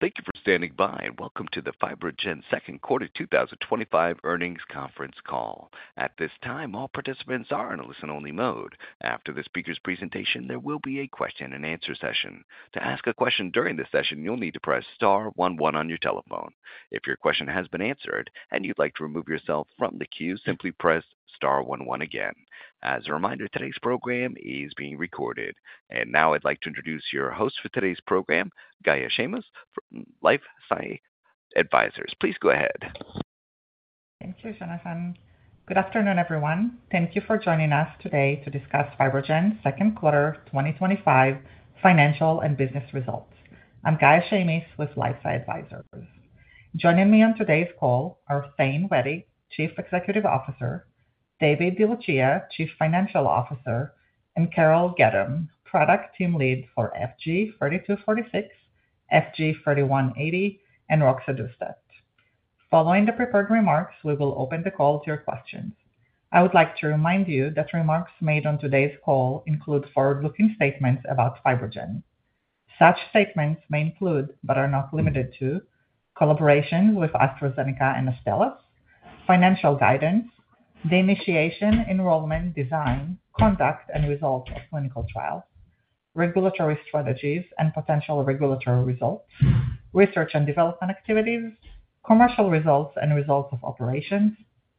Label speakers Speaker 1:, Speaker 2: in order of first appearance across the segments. Speaker 1: Thank you for standing by and welcome to the FibroGen Second Quarter 2025 Earnings Conference Call. At this time, all participants are in a listen-only mode. After the speaker's presentation, there will be a question and answer session. To ask a question during this session, you'll need to press star one one on your telephone. If your question has been answered and you'd like to remove yourself from the queue, simply press star one one again. As a reminder, today's program is being recorded. Now I'd like to introduce your host for today's program, Gaia Shamis from LifeSci Advisors. Please go ahead.
Speaker 2: Thank you, Jonathan. Good afternoon, everyone. Thank you for joining us today to discuss FibroGen's Second Quarter 2025 Financial and Business Results. I'm Gaia Shamis with LifeSci Advisors. Joining me on today's call are Thane Wettig, Chief Executive Officer, David DeLucia, Chief Financial Officer, and Carol Gaddum, Product Team Lead for FG-3246, FG-3180, and roxadustat. Following the prepared remarks, we will open the call to your questions. I would like to remind you that remarks made on today's call include forward-looking statements about FibroGen. Such statements may include, but are not limited to, collaboration with AstraZeneca and Astellas, financial guidance, the initiation, enrollment, design, conduct, and results of clinical trials, regulatory strategies and potential regulatory results, research and development activities, commercial results and results of operations,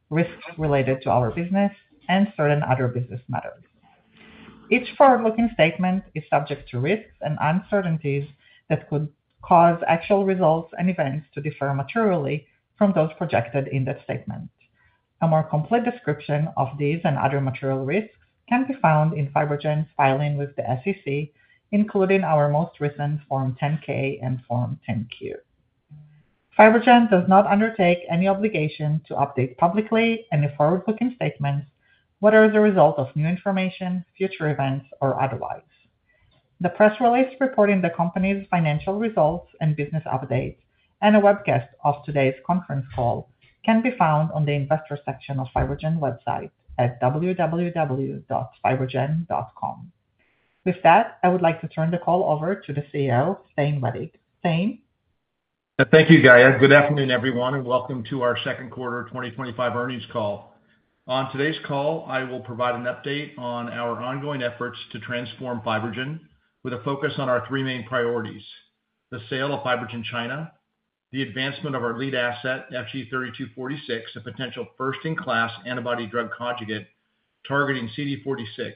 Speaker 2: risks related to our business, and certain other business matters. Each forward-looking statement is subject to risks and uncertainties that could cause actual results and events to differ materially from those projected in that statement. A more complete description of these and other material risks can be found in FibroGen's filing with the SEC, including our most recent Form 10-K and Form 10-Q. FibroGen does not undertake any obligation to update publicly any forward-looking statements that are the result of new information, future events, or otherwise. The press release reporting the company's financial results and business updates and a webcast of today's conference call can be found on the investor section of FibroGen website at www.fibrogen.com. With that, I would like to turn the call over to the CEO, Thane Wettig. Thane.
Speaker 3: Thank you, Gaia. Good afternoon, everyone, and welcome to our second quarter 2025 earnings call. On today's call, I will provide an update on our ongoing efforts to transform FibroGen with a focus on our three main priorities: the sale of FibroGen China, the advancement of our lead asset, FG-3246, a potential first-in-class antibody-drug conjugate targeting CD46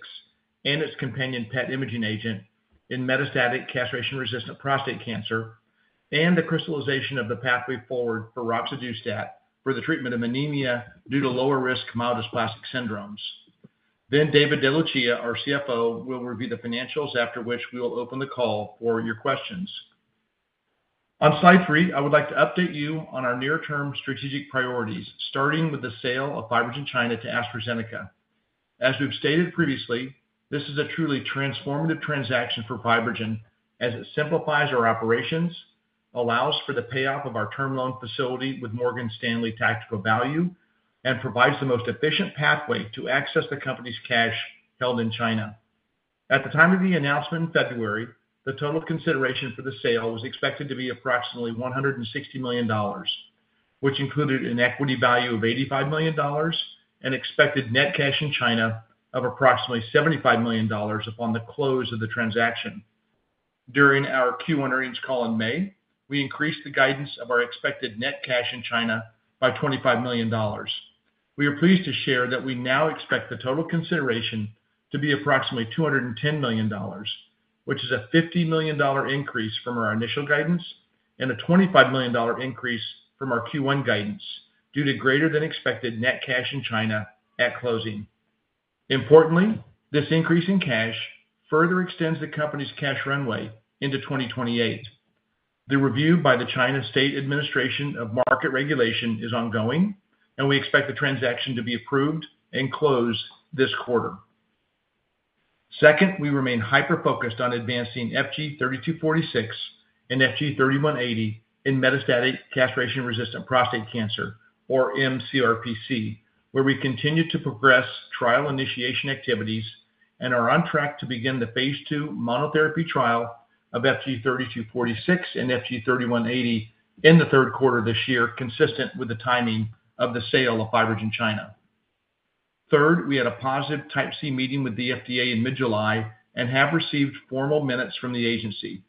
Speaker 3: and its companion PET imaging agent in metastatic castration-resistant prostate cancer, and the crystallization of the pathway forward for roxadustat for the treatment of anemia due to lower-risk myelodysplastic syndromes. David DeLucia, our CFO, will review the financials, after which we will open the call for your questions. On slide three, I would like to update you on our near-term strategic priorities, starting with the sale of FibroGen China to AstraZeneca. As we've stated previously, this is a truly transformative transaction for FibroGen as it simplifies our operations, allows for the payoff of our term loan facility with Morgan Stanley Tactical Value, and provides the most efficient pathway to access the company's cash held in China. At the time of the announcement in February, the total consideration for the sale was expected to be approximately $160 million, which included an equity value of $85 million and expected net cash in China of approximately $75 million upon the close of the transaction. During our Q1 earnings call in May, we increased the guidance of our expected net cash in China by $25 million. We are pleased to share that we now expect the total consideration to be approximately $210 million, which is a $50 million increase from our initial guidance and a $25 million increase from our Q1 guidance due to greater than expected net cash in China at closing. Importantly, this increase in cash further extends the company's cash runway into 2028. The review by the China State Administration of Market Regulation is ongoing, and we expect the transaction to be approved and closed this quarter. We remain hyper-focused on advancing FG-3246 and FG-3180 in metastatic castration-resistant prostate cancer, or mCRPC, where we continue to progress trial initiation activities and are on track to begin the phase II monotherapy trial of FG-3246 and FG-3180 in the third quarter of this year, consistent with the timing of the sale of FibroGen China. We had a positive Type C meeting with the FDA in mid-July and have received formal minutes from the agency.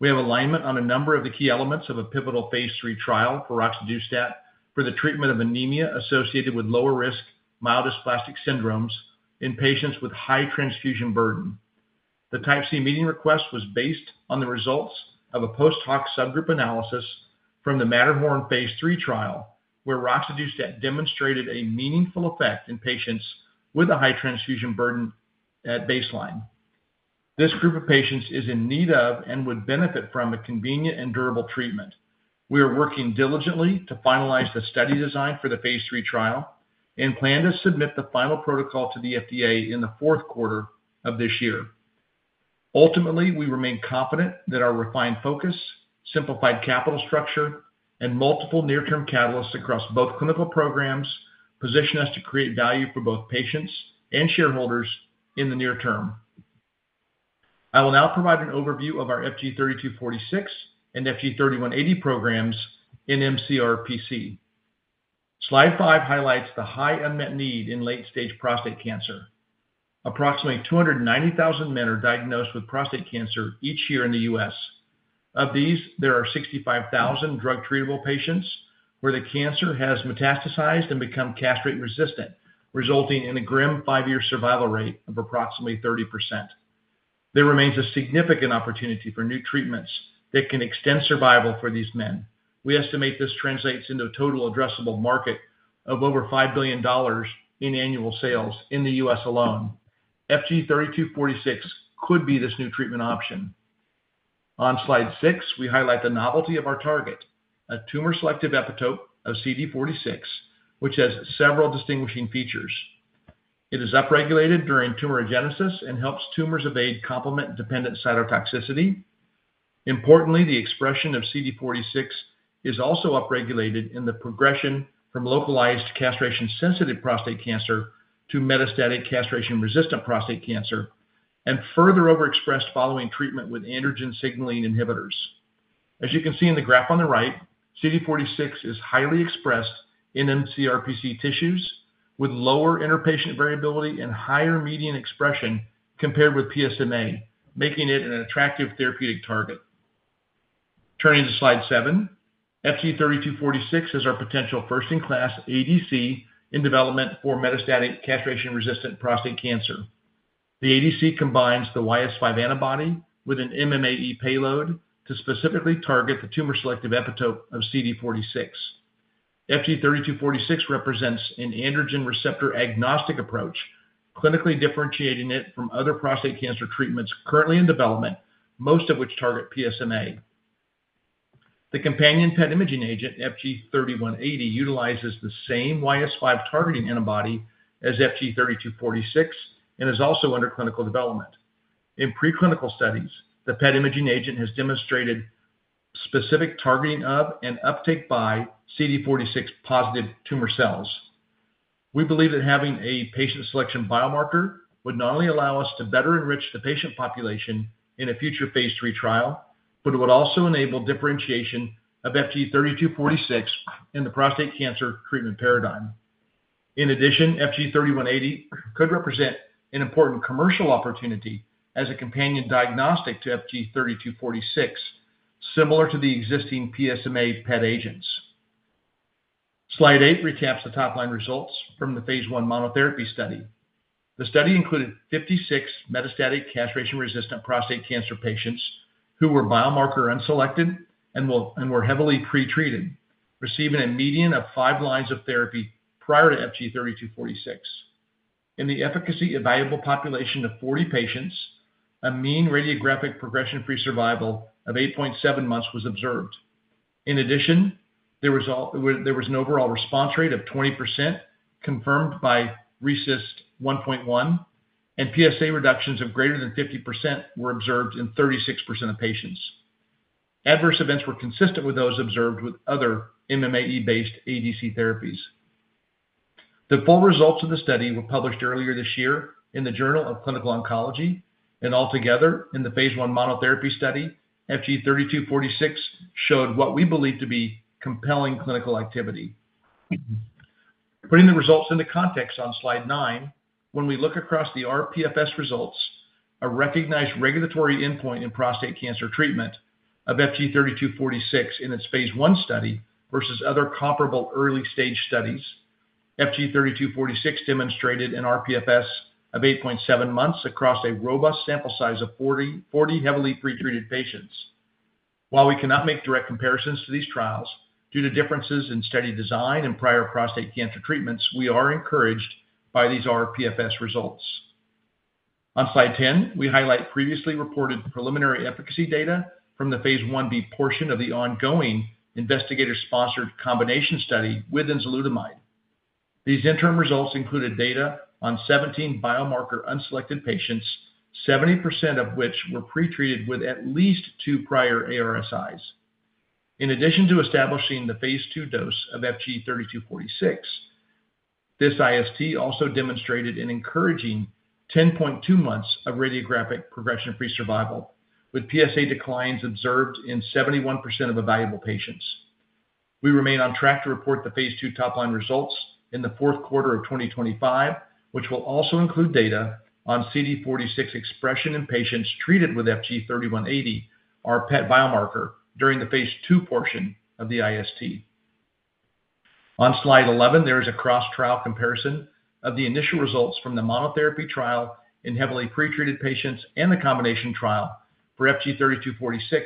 Speaker 3: We have alignment on a number of the key elements of a pivotal phase III trial for roxadustat for the treatment of anemia associated with lower-risk myelodysplastic syndromes in patients with high transfusion burden. The Type C meeting request was based on the results of a post-hoc subgroup analysis from the MATTERHORN phase III trial, where roxadustat demonstrated a meaningful effect in patients with a high transfusion burden at baseline. This group of patients is in need of and would benefit from a convenient and durable treatment. We are working diligently to finalize the study design for the phase III trial and plan to submit the final protocol to the FDA in the fourth quarter of this year. Ultimately, we remain confident that our refined focus, simplified capital structure, and multiple near-term catalysts across both clinical programs position us to create value for both patients and shareholders in the near term. I will now provide an overview of our FG-3246 and FG-3180 programs in mCRPC. Slide five highlights the high unmet need in late-stage prostate cancer. Approximately 290,000 men are diagnosed with prostate cancer each year in the U.S. Of these, there are 65,000 drug-treatable patients where the cancer has metastasized and become castrate resistant, resulting in a grim five-year survival rate of approximately 30%. There remains a significant opportunity for new treatments that can extend survival for these men. We estimate this translates into a total addressable market of over $5 billion in annual sales in the U.S. alone. FG-3246 could be this new treatment option. On slide six, we highlight the novelty of our target, a tumor-selective epitope of CD46, which has several distinguishing features. It is upregulated during tumorigenesis and helps tumors evade complement-dependent cytotoxicity. Importantly, the expression of CD46 is also upregulated in the progression from localized castration-sensitive prostate cancer to metastatic castration-resistant prostate cancer and further overexpressed following treatment with androgen signaling inhibitors. As you can see in the graph on the right, CD46 is highly expressed in mCRPC tissues with lower interpatient variability and higher median expression compared with PSMA, making it an attractive therapeutic target. Turning to slide seven, FG-3246 is our potential first-in-class ADC in development for metastatic castration-resistant prostate cancer. The ADC combines the YS5 antibody with an MMAE payload to specifically target the tumor-selective epitope of CD46. FG-3246 represents an androgen receptor agnostic approach, clinically differentiating it from other prostate cancer treatments currently in development, most of which target PSMA. The companion PET imaging agent, FG-3180, utilizes the same YS5 targeting antibody as FG-3246 and is also under clinical development. In preclinical studies, the PET imaging agent has demonstrated specific targeting of and uptake by CD46 positive tumor cells. We believe that having a patient selection biomarker would not only allow us to better enrich the patient population in a future phase III trial, but it would also enable differentiation of FG-3246 in the prostate cancer treatment paradigm. In addition, FG-3180 could represent an important commercial opportunity as a companion diagnostic to FG-3246, similar to the existing PSMA PET agents. Slide eight recaps the top-line results from the phase I monotherapy study. The study included 56 metastatic castration-resistant prostate cancer patients who were biomarker unselected and were heavily pretreated, receiving a median of five lines of therapy prior to FG-3246. In the efficacy evaluable population of 40 patients, a mean radiographic progression-free survival of 8.7 months was observed. In addition, there was an overall response rate of 20% confirmed by RECIST 1.1, and PSA reductions of greater than 50% were observed in 36% of patients. Adverse events were consistent with those observed with other MMAE-based antibody-drug conjugate therapies. The full results of the study were published earlier this year in the Journal of Clinical Oncology, and altogether in the phase I monotherapy study, FG-3246 showed what we believe to be compelling clinical activity. Putting the results into context on slide nine, when we look across the rPFS results, a recognized regulatory endpoint in prostate cancer treatment of FG-3246 in its phase I study versus other comparable early-stage studies, FG-3246 demonstrated a rPFS of 8.7 months across a robust sample size of 40 heavily pretreated patients. While we cannot make direct comparisons to these trials due to differences in study design and prior prostate cancer treatments, we are encouraged by these rPFS results. On slide 10, we highlight previously reported preliminary efficacy data from the phase I-B portion of the ongoing investigator-sponsored combination study with enzalutamide. These interim results included data on 17 biomarker unselected patients, 70% of which were pretreated with at least two prior ARSIs. In addition to establishing the phase II dose of FG-3246, this IST also demonstrated an encouraging 10.2 months of radiographic progression-free survival with PSA declines observed in 71% of evaluable patients. We remain on track to report the phase II top-line results in the fourth quarter of 2025, which will also include data on CD46 expression in patients treated with FG-3180, our PET biomarker during the phase II portion of the IST. On slide 11, there is a cross-trial comparison of the initial results from the monotherapy trial in heavily pretreated patients and the combination trial for FG-3246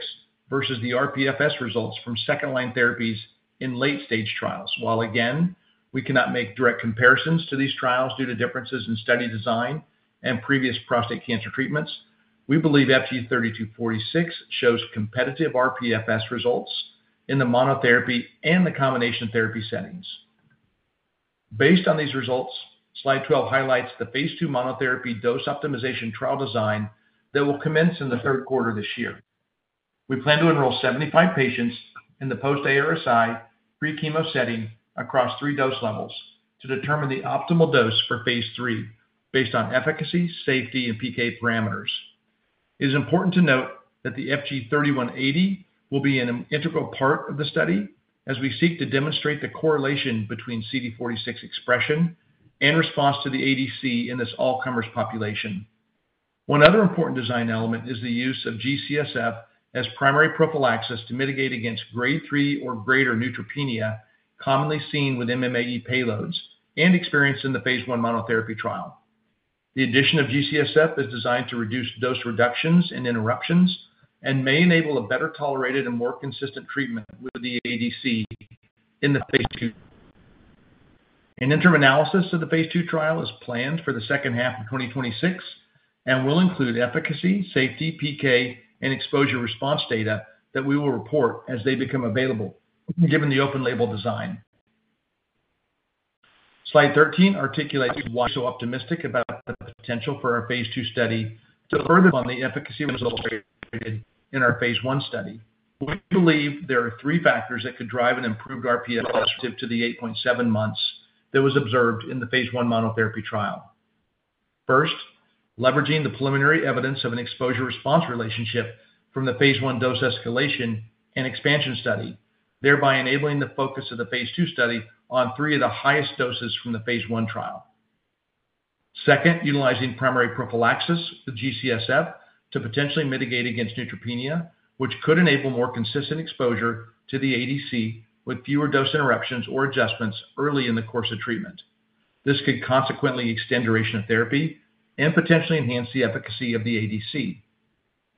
Speaker 3: versus the rPFS results from second-line therapies in late-stage trials. While again, we cannot make direct comparisons to these trials due to differences in study design and previous prostate cancer treatments, we believe FG-3246 shows competitive rPFS results in the monotherapy and the combination therapy settings. Based on these results, slide 12 highlights the phase II monotherapy dose optimization trial design that will commence in the third quarter of this year. We plan to enroll 75 patients in the post-ARSI pre-chemo setting across three dose levels to determine the optimal dose for phase III based on efficacy, safety, and PK parameters. It is important to note that the FG-3180 will be an integral part of the study as we seek to demonstrate the correlation between CD46 expression and response to the ADC in this all-comers population. One other important design element is the use of G-CSF as primary prophylaxis to mitigate against grade 3 or greater neutropenia, commonly seen with MMAE payloads and experienced in the phase I monotherapy trial. The addition of G-CSF is designed to reduce dose reductions and interruptions and may enable a better tolerated and more consistent treatment with the ADC in the phase II. An interim analysis of the phase II trial is planned for the second half of 2026 and will include efficacy, safety, PK, and exposure response data that we will report as they become available, given the open label design. Slide 13 articulates why we are so optimistic about the potential for our phase II study to further on the efficacy results in our phase I study. We believe there are three factors that could drive an improved rPFS relative to the 8.7 months that was observed in the phase I monotherapy trial. First, leveraging the preliminary evidence of an exposure response relationship from the phase I dose escalation and expansion study, thereby enabling the focus of the phase II study on three of the highest doses from the phase I trial. Second, utilizing primary prophylaxis with G-CSF to potentially mitigate against neutropenia, which could enable more consistent exposure to the ADC with fewer dose interruptions or adjustments early in the course of treatment. This could consequently extend duration of therapy and potentially enhance the efficacy of the ADC.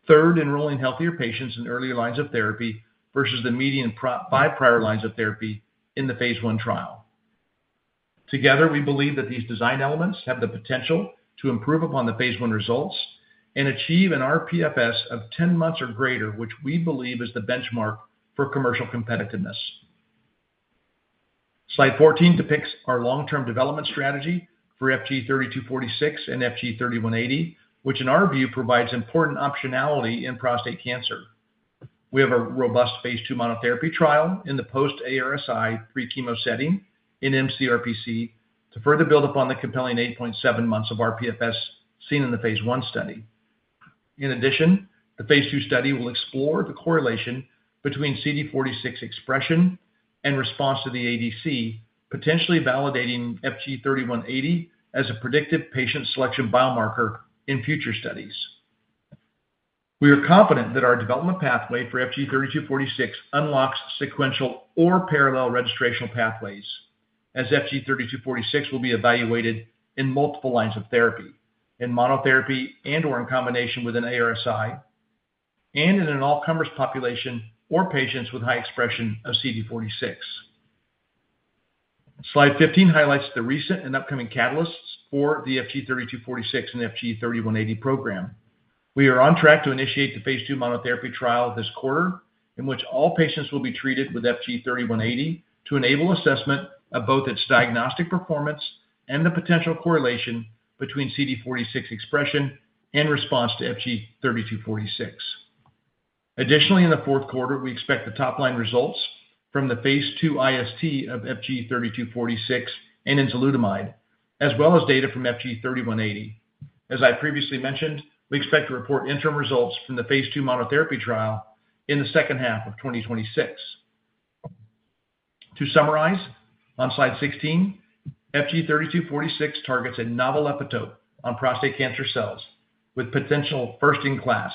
Speaker 3: Third, enrolling healthier patients in early lines of therapy versus the median five prior lines of therapy in the phase I trial. Together, we believe that these design elements have the potential to improve upon the phase I results and achieve an rPFS of 10 months or greater, which we believe is the benchmark for commercial competitiveness. Slide 14 depicts our long-term development strategy for FG-3246 and FG-3180, which in our view provides important optionality in prostate cancer. We have a robust phase II monotherapy trial in the post-ARSI pre-chemo setting in mCRPC to further build upon the compelling 8.7 months of rPFS seen in the phase I study. In addition, the phase II study will explore the correlation between CD46 expression and response to the ADC, potentially validating FG-3180 as a predictive patient selection biomarker in future studies. We are confident that our development pathway for FG-3246 unlocks sequential or parallel registrational pathways, as FG-3246 will be evaluated in multiple lines of therapy, in monotherapy and/or in combination with an ARSI and in an all-comers population or patients with high expression of CD46. Slide 15 highlights the recent and upcoming catalysts for the FG-3246 and FG-3180 program. We are on track to initiate the phase II monotherapy trial this quarter, in which all patients will be treated with FG-3180 to enable assessment of both its diagnostic performance and the potential correlation between CD46 expression and response to FG-3246. Additionally, in the fourth quarter, we expect the top-line results from the phase II IST of FG-3246 and enzalutamide, as well as data from FG-3180. As I previously mentioned, we expect to report interim results from the phase II monotherapy trial in the second half of 2026. To summarize, on slide 16, FG-3246 targets a novel epitope on prostate cancer cells with potential first-in-class,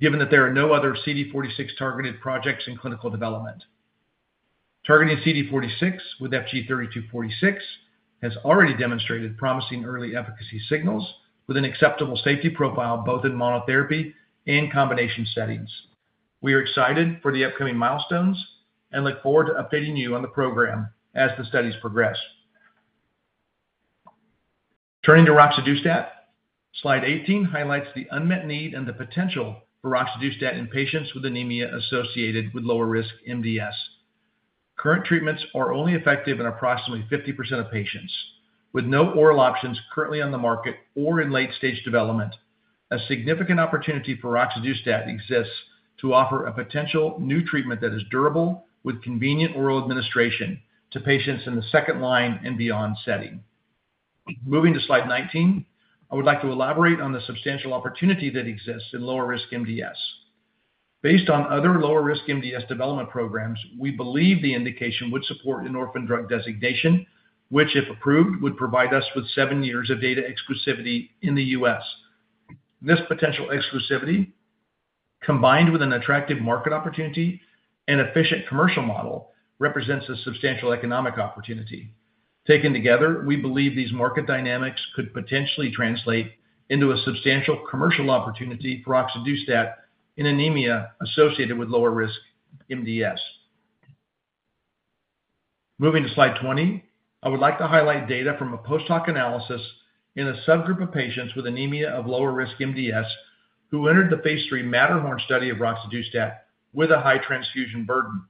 Speaker 3: given that there are no other CD46 targeted projects in clinical development. Targeting CD46 with FG-3246 has already demonstrated promising early efficacy signals with an acceptable safety profile both in monotherapy and combination settings. We are excited for the upcoming milestones and look forward to updating you on the program as the studies progress. Turning to roxadustat, slide 18 highlights the unmet need and the potential for roxadustat in patients with anemia associated with lower-risk MDS. Current treatments are only effective in approximately 50% of patients. With no oral options currently on the market or in late-stage development, a significant opportunity for roxadustat exists to offer a potential new treatment that is durable with convenient oral administration to patients in the second line and beyond setting. Moving to slide 19, I would like to elaborate on the substantial opportunity that exists in lower-risk MDS. Based on other lower-risk MDS development programs, we believe the indication would support an orphan drug designation, which, if approved, would provide us with seven years of data exclusivity in the U.S. This potential exclusivity, combined with an attractive market opportunity and efficient commercial model, represents a substantial economic opportunity. Taken together, we believe these market dynamics could potentially translate into a substantial commercial opportunity for roxadustat in anemia associated with lower-risk MDS. Moving to slide 20, I would like to highlight data from a post-hoc analysis in a subgroup of patients with anemia of lower-risk MDS who entered the phase III MATTERHORN study of roxadustat with a high transfusion burden.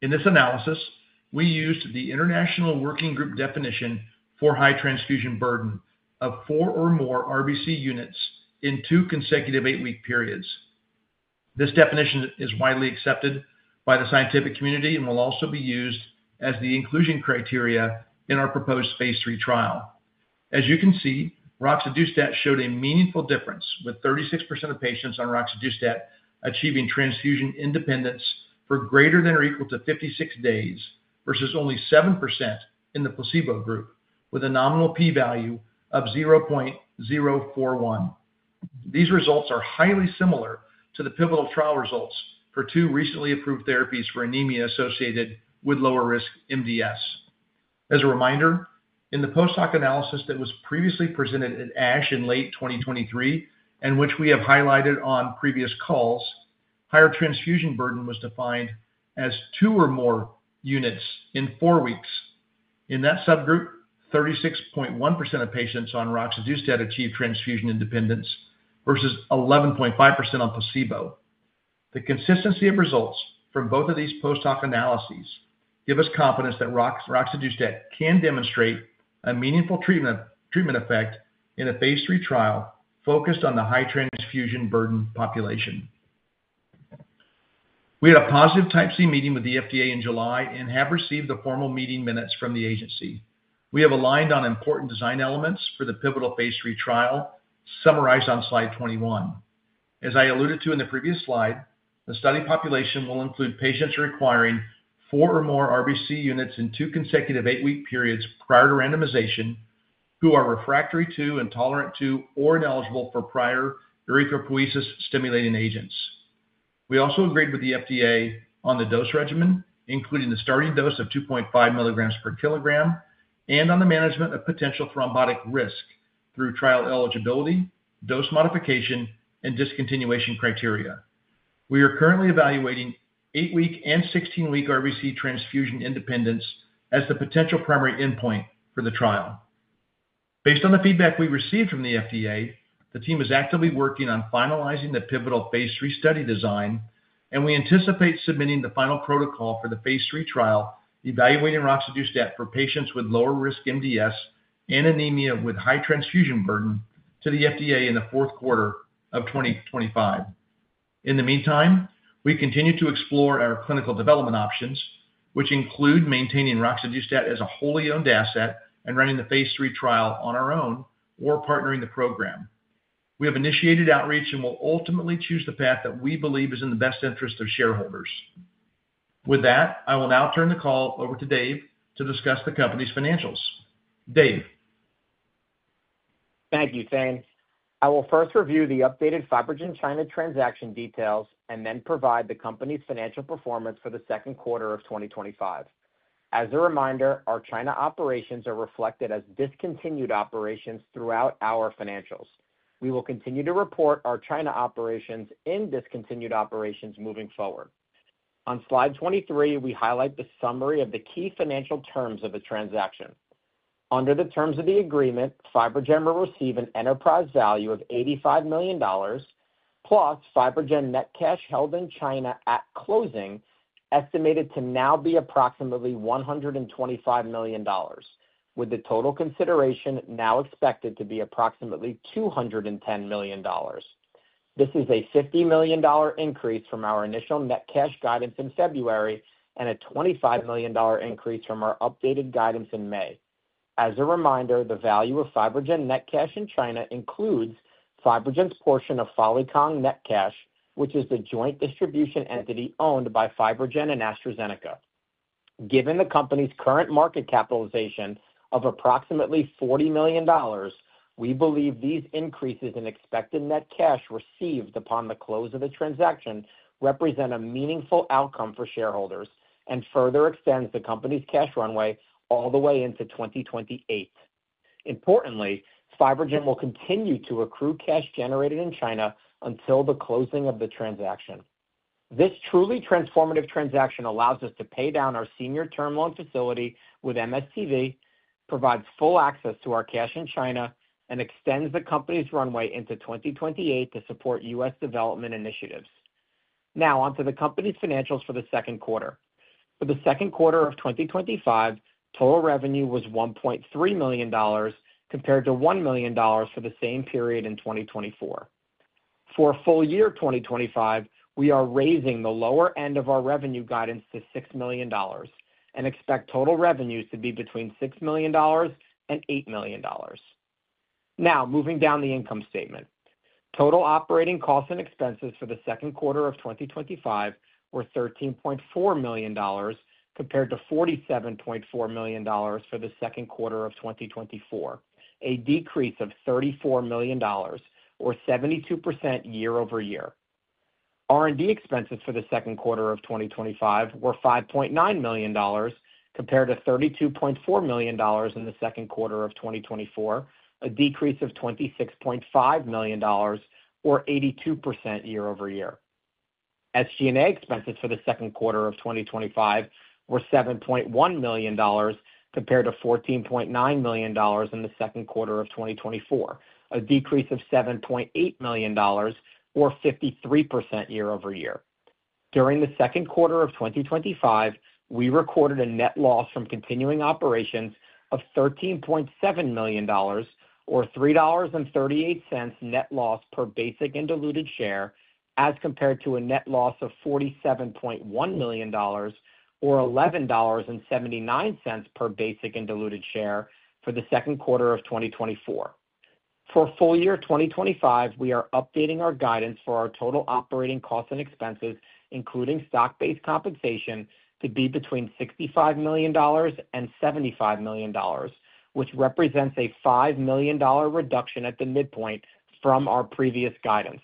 Speaker 3: In this analysis, we used the International Working Group definition for high transfusion burden of four or more RBC units in two consecutive eight-week periods. This definition is widely accepted by the scientific community and will also be used as the inclusion criteria in our proposed phase III trial. As you can see, roxadustat showed a meaningful difference with 36% of patients on roxadustat achieving transfusion independence for greater than or equal to 56 days versus only 7% in the placebo group, with a nominal p-value of 0.041. These results are highly similar to the pivotal trial results for two recently approved therapies for anemia associated with lower-risk MDS. As a reminder, in the post-hoc analysis that was previously presented at ASH in late 2023, and which we have highlighted on previous calls, higher transfusion burden was defined as two or more units in four weeks. In that subgroup, 36.1% of patients on roxadustat achieved transfusion independence versus 11.5% on placebo. The consistency of results from both of these post-hoc analyses gives us confidence that roxadustat can demonstrate a meaningful treatment effect in a phase III trial focused on the high transfusion burden population. We had a positive Type C meeting with the FDA in July and have received the formal meeting minutes from the agency. We have aligned on important design elements for the pivotal phase III trial summarized on slide 21. As I alluded to in the previous slide, the study population will include patients requiring four or more RBC units in two consecutive eight-week periods prior to randomization who are refractory to and tolerant to or ineligible for prior erythropoiesis-stimulating agents. We also agreed with the FDA on the dose regimen, including the starting dose of 2.5 mg per kg, and on the management of potential thrombotic risk through trial eligibility, dose modification, and discontinuation criteria. We are currently evaluating eight-week and 16-week RBC transfusion independence as the potential primary endpoint for the trial. Based on the feedback we received from the FDA, the team is actively working on finalizing the pivotal phase III study design, and we anticipate submitting the final protocol for the phase III trial evaluating roxadustat for patients with lower-risk MDS and anemia with high transfusion burden to the FDA in the fourth quarter of 2025. In the meantime, we continue to explore our clinical development options, which include maintaining roxadustat as a wholly-owned asset and running the phase III trial on our own or partnering the program. We have initiated outreach and will ultimately choose the path that we believe is in the best interest of shareholders. With that, I will now turn the call over to Dave to discuss the company's financials. Dave.
Speaker 4: Thank you, Thane. I will first review the updated FibroGen China transaction details and then provide the company's financial performance for the second quarter of 2025. As a reminder, our China operations are reflected as discontinued operations throughout our financials. We will continue to report our China operations in discontinued operations moving forward. On slide 23, we highlight the summary of the key financial terms of the transaction. Under the terms of the agreement, FibroGen will receive an enterprise value of $85 million, plus FibroGen net cash held in China at closing estimated to now be approximately $125 million, with the total consideration now expected to be approximately $210 million. This is a $50 million increase from our initial net cash guidance in February and a $25 million increase from our updated guidance in May. As a reminder, the value of FibroGen net cash in China includes FibroGen's portion of Falikang net cash, which is the joint distribution entity owned by FibroGen and AstraZeneca. Given the company's current market capitalization of approximately $40 million, we believe these increases in expected net cash received upon the close of the transaction represent a meaningful outcome for shareholders and further extend the company's cash runway all the way into 2028. Importantly, FibroGen will continue to accrue cash generated in China until the closing of the transaction. This truly transformative transaction allows us to pay down our senior term loan facility with MSTV, provides full access to our cash in China, and extends the company's runway into 2028 to support U.S. development initiatives. Now onto the company's financials for the second quarter. For the second quarter of 2025, total revenue was $1.3 million compared to $1 million for the same period in 2024. For a full year 2025, we are raising the lower end of our revenue guidance to $6 million and expect total revenues to be between $6 million and $8 million. Now moving down the income statement, total operating costs and expenses for the second quarter of 2025 were $13.4 million compared to $47.4 million for the second quarter of 2024, a decrease of $34 million, or 72% year-over-year. R&D expenses for the second quarter of 2025 were $5.9 million compared to $32.4 million in the second quarter of 2024, a decrease of $26.5 million, or 82% year-over-year. SG&A expenses for the second quarter of 2025 were $7.1 million compared to $14.9 million in the second quarter of 2024, a decrease of $7.8 million, or 53% year-over-year. During the second quarter of 2025, we recorded a net loss from continuing operations of $13.7 million, or $3.38 net loss per basic and diluted share, as compared to a net loss of $47.1 million, or $11.79 per basic and diluted share for the second quarter of 2024. For a full year 2025, we are updating our guidance for our total operating costs and expenses, including stock-based compensation, to be between $65 million and $75 million, which represents a $5 million reduction at the midpoint from our previous guidance.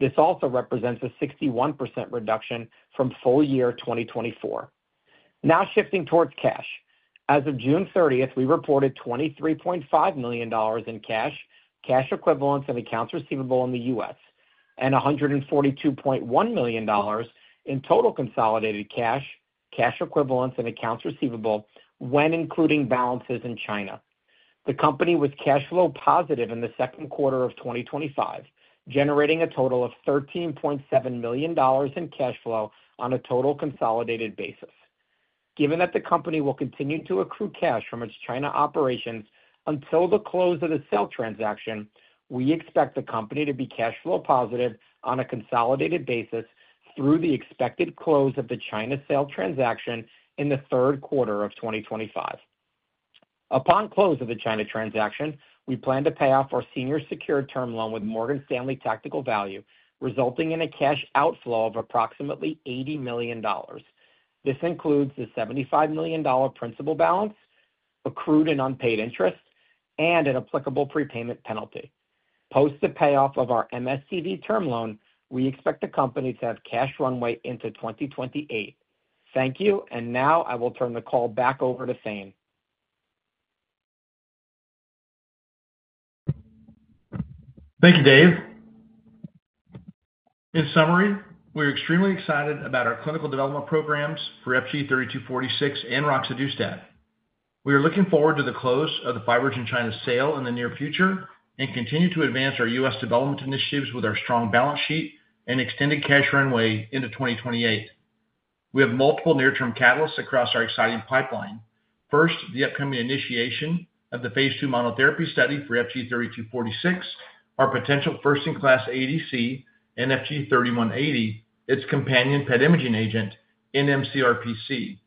Speaker 4: This also represents a 61% reduction from full year 2024. Now shifting towards cash, as of June 30th, we reported $23.5 million in cash, cash equivalents, and accounts receivable in the U.S., and $142.1 million in total consolidated cash, cash equivalents, and accounts receivable when including balances in China. The company was cash flow positive in the second quarter of 2025, generating a total of $13.7 million in cash flow on a total consolidated basis. Given that the company will continue to accrue cash from its China operations until the close of the sale transaction, we expect the company to be cash flow positive on a consolidated basis through the expected close of the China sale transaction in the third quarter of 2025. Upon close of the China transaction, we plan to pay off our senior secured term loan with Morgan Stanley Tactical Value, resulting in a cash outflow of approximately $80 million. This includes a $75 million principal balance, accrued and unpaid interest, and an applicable prepayment penalty. Post the payoff of our MSCV term loan, we expect the company to have cash runway into 2028. Thank you, and now I will turn the call back over to Thane.
Speaker 3: Thank you, Dave. In summary, we are extremely excited about our clinical development programs for FG-3246 and roxadustat. We are looking forward to the close of the FibroGen China sale in the near future and continue to advance our U.S. development initiatives with our strong balance sheet and extended cash runway into 2028. We have multiple near-term catalysts across our exciting pipeline. First, the upcoming initiation of the phase II monotherapy study for FG-3246, our potential first-in-class ADC, and FG-3180, its companion PET imaging agent in mCRPC.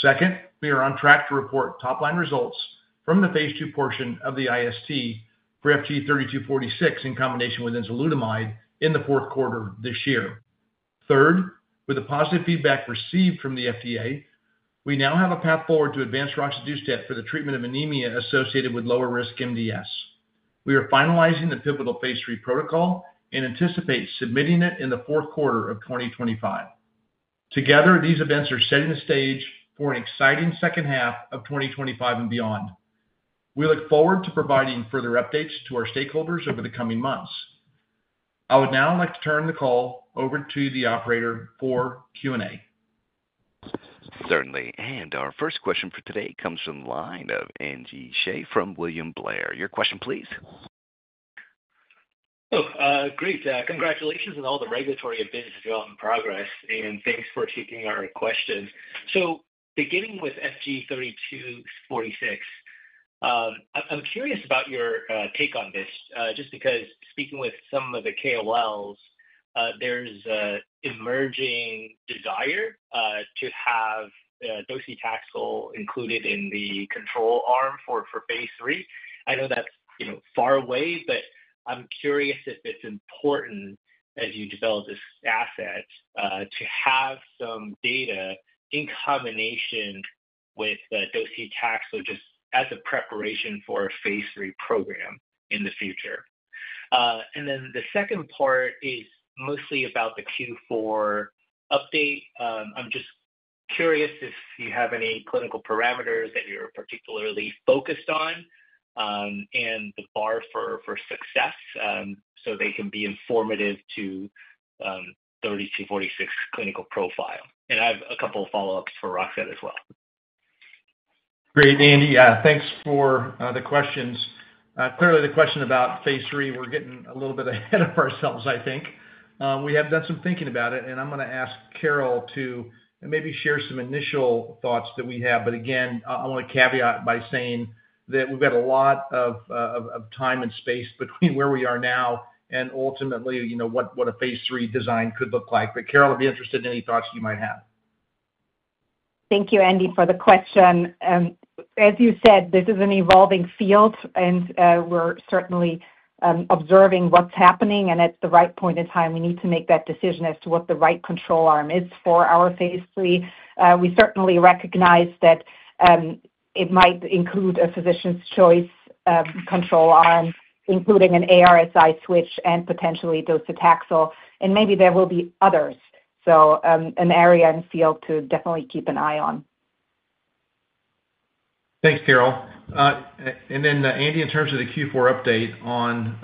Speaker 3: Second, we are on track to report top-line results from the phase II portion of the IST for FG-3246 in combination with enzalutamide in the fourth quarter of this year. Third, with the positive feedback received from the FDA, we now have a path forward to advance roxadustat for the treatment of anemia associated with lower-risk MDS. We are finalizing the pivotal phase III protocol and anticipate submitting it in the fourth quarter of 2025. Together, these events are setting the stage for an exciting second half of 2025 and beyond. We look forward to providing further updates to our stakeholders over the coming months. I would now like to turn the call over to the operator for Q&A.
Speaker 1: Certainly. Our first question for today comes from the line of Andy Hsieh from William Blair. Your question, please.
Speaker 5: Oh, great. Congratulations on all the regulatory and business development progress, and thanks for taking our question. Beginning with FG-3246, I'm curious about your take on this, just because speaking with some of the KOLs, there's an emerging desire to have docetaxel included in the control arm for phase III. I know that's far away, but I'm curious if it's important as you develop this asset to have some data in combination with docetaxel just as a preparation for a phase III program in the future. The second part is mostly about the Q4 update. I'm just curious if you have any clinical parameters that you're particularly focused on and the bar for success so they can be informative to 3246 clinical profile. I have a couple of follow-ups for roxa as well.
Speaker 3: Great, Andy. Yeah, thanks for the questions. Clearly, the question about phase III, we're getting a little bit ahead of ourselves, I think. We have done some thinking about it, and I'm going to ask Carol to maybe share some initial thoughts that we have. Again, I want to caveat by saying that we've got a lot of time and space between where we are now and ultimately what a phase III design could look like. Carol, I'd be interested in any thoughts you might have.
Speaker 6: Thank you, Andy, for the question. As you said, this is an evolving field, and we're certainly observing what's happening. At the right point in time, we need to make that decision as to what the right control arm is for our phase III. We certainly recognize that it might include a physician's choice control arm, including an ARSI switch and potentially docetaxel, and maybe there will be others. It is an area and field to definitely keep an eye on.
Speaker 3: Thanks, Carol. Andy, in terms of the Q4 update on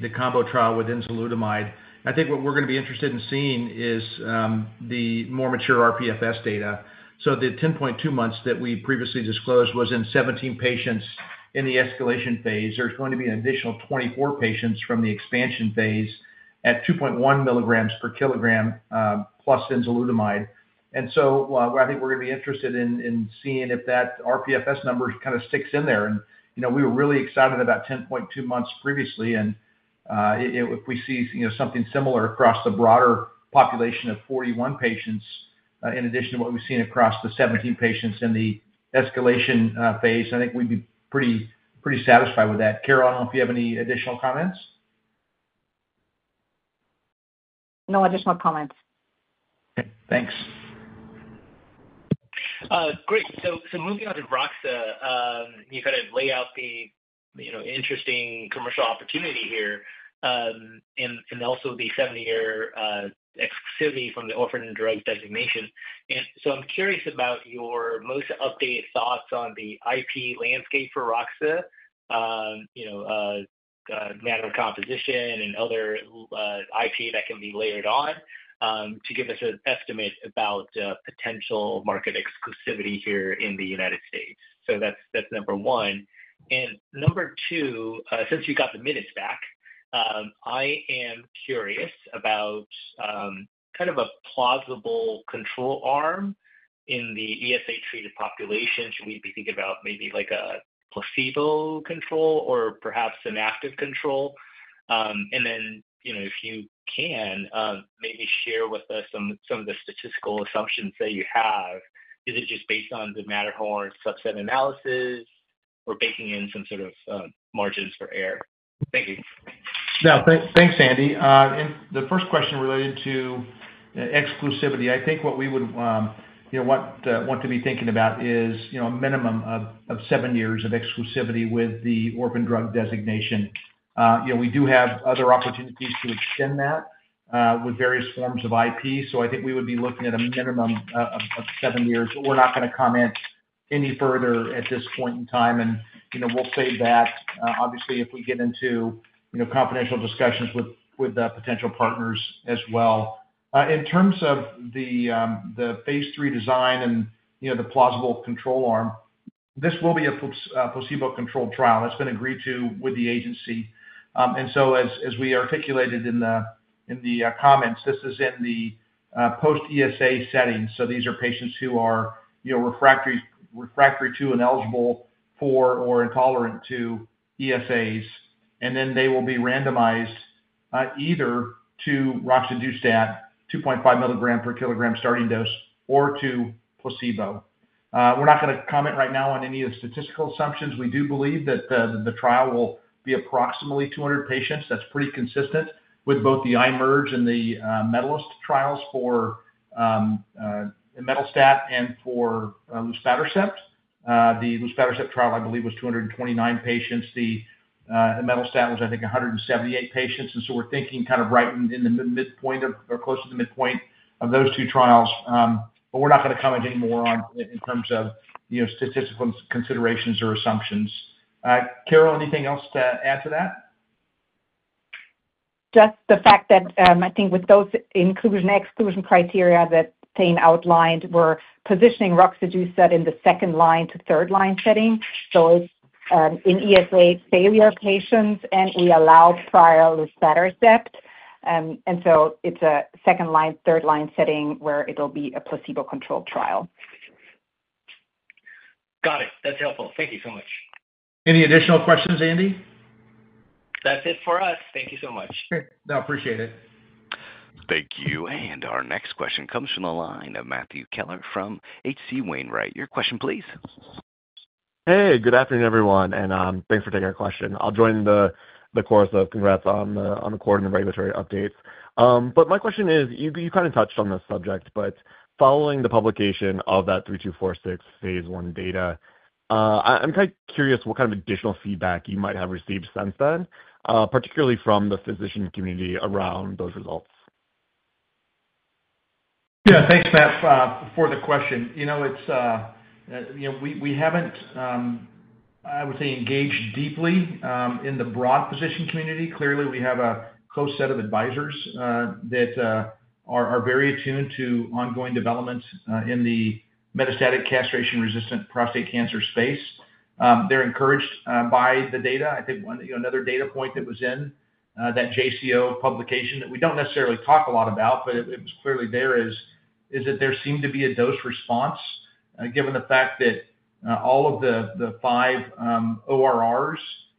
Speaker 3: the combo trial with enzalutamide, I think what we're going to be interested in seeing is the more mature rPFS data. The 10.2 months that we previously disclosed was in 17 patients in the escalation phase. There is going to be an additional 24 patients from the expansion phase at 2.1 mg per kg plus enzalutamide. I think we're going to be interested in seeing if that rPFS number kind of sticks in there. We were really excited about 10.2 months previously. If we see something similar across the broader population of 41 patients, in addition to what we've seen across the 17 patients in the escalation phase, I think we'd be pretty satisfied with that. Carol, I don't know if you have any additional comments.
Speaker 6: No additional comments.
Speaker 3: Okay, thanks.
Speaker 5: Great. Moving on to roxa, you kind of lay out the interesting commercial opportunity here and also the seven-year exclusivity from the orphan drug designation. I'm curious about your most updated thoughts on the IP landscape for roxa, matter of composition and other IP that can be layered on to give us an estimate about potential market exclusivity here in the United States. That's number one. Number two, since we got the minutes back, I am curious about kind of a plausible control arm in the ESA-treated population. Should we be thinking about maybe like a placebo control or perhaps an active control? If you can, maybe share with us some of the statistical assumptions that you have. Is it just based on the MATTERHORN subset analysis or baking in some sort of margins for error?
Speaker 3: Thank you. No, thanks, Andy. The first question related to exclusivity, I think what we would want to be thinking about is a minimum of seven years of exclusivity with the orphan drug designation. We do have other opportunities to extend that with various forms of IP. I think we would be looking at a minimum of seven years, but we're not going to comment any further at this point in time. We'll save that. Obviously, if we get into confidential discussions with potential partners as well. In terms of the phase III design and the plausible control arm, this will be a placebo-controlled trial that's been agreed to with the agency. As we articulated in the comments, this is in the post-ESA setting. These are patients who are refractory to and eligible for or intolerant to ESAs. They will be randomized either to roxadustat, 2.5 mg per kg starting dose, or to placebo. We're not going to comment right now on any of the statistical assumptions. We do believe that the trial will be approximately 200 patients. That's pretty consistent with both the IMERGE and the MEDALIST trials for imetelstat and for luspatercept. The luspatercept trial, I believe, was 229 patients. The imetelstat was, I think, 178 patients. We're thinking kind of right in the midpoint or close to the midpoint of those two trials. We're not going to comment anymore on it in terms of statistical considerations or assumptions. Carol, anything else to add to that?
Speaker 6: Just the fact that I think with those inclusion-exclusion criteria that Thane outlined, we're positioning roxadustat in the second line to third line setting. It's an ESA failure patient, and we allowed trial luspatercept. It's a second-line, third-line setting where it'll be a placebo-controlled trial.
Speaker 5: Got it. That's helpful. Thank you so much.
Speaker 3: Any additional questions, Andy?
Speaker 5: That's it for us. Thank you so much.
Speaker 3: No, I appreciate it.
Speaker 1: Thank you. Our next question comes from the line of Matthew Keller from H.C. Wainwright. Your question, please.
Speaker 7: Hey, good afternoon, everyone. Thanks for taking our question. I'll join the chorus of congrats on the quarter and the regulatory updates. My question is, you kind of touched on this subject, following the publication of that 3246 phase I data, I'm kind of curious what kind of additional feedback you might have received since then, particularly from the physician community around those results.
Speaker 3: Yeah, thanks, for the question. We haven't, I would say, engaged deeply in the broad physician community. Clearly, we have a close set of advisors that are very attuned to ongoing developments in the metastatic castration-resistant prostate cancer space. They're encouraged by the data. I think another data point that was in that JCO publication that we don't necessarily talk a lot about, but it was clearly there, is that there seemed to be a dose response given the fact that all of the five ORRs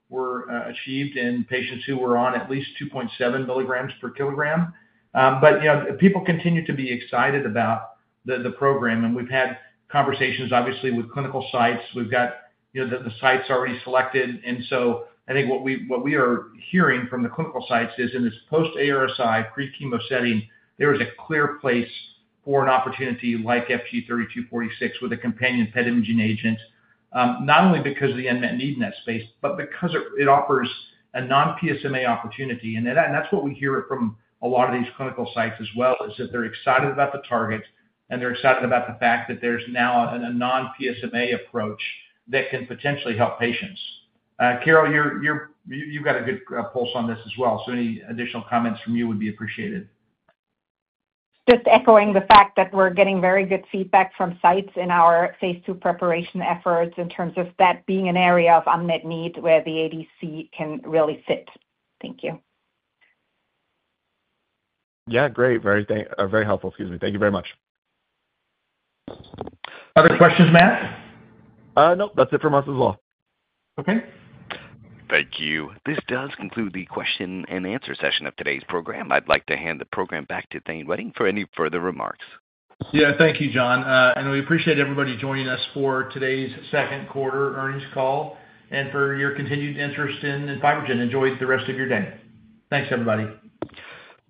Speaker 3: were achieved in patients who were on at least 2.7 mg per kg. People continue to be excited about the program. We've had conversations, obviously, with clinical sites. We've got the sites already selected. I think what we are hearing from the clinical sites is in this post-ARSI pre-chemo setting, there is a clear place for an opportunity like FG-3246 with a companion PET imaging agent, not only because of the unmet need in that space, but because it offers a non-PSMA opportunity. That's what we hear from a lot of these clinical sites as well, that they're excited about the targets, and they're excited about the fact that there's now a non-PSMA approach that can potentially help patients. Carol, you've got a good pulse on this as well. Any additional comments from you would be appreciated.
Speaker 6: Just echoing the fact that we're getting very good feedback from sites in our phase II preparation efforts in terms of that being an area of unmet need where the ADC can really fit. Thank you.
Speaker 7: Yeah, great. Very helpful. Thank you very much.
Speaker 3: Other questions, Matt?
Speaker 7: Nope, that's it for us as well.
Speaker 3: Okay.
Speaker 1: Thank you. This does conclude the question and answer session of today's program. I'd like to hand the program back to Thane Wettig for any further remarks.
Speaker 3: Thank you, John. We appreciate everybody joining us for today's second quarter earnings call and for your continued interest in FibroGen. Enjoy the rest of your day. Thanks, everybody.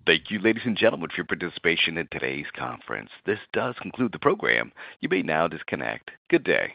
Speaker 1: Thank you, ladies and gentlemen, for your participation in today's conference. This does conclude the program. You may now disconnect. Good day.